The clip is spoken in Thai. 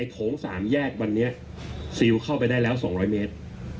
โถง๓แยกวันนี้ซิลเข้าไปได้แล้ว๒๐๐เมตร